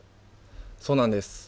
そうなんです。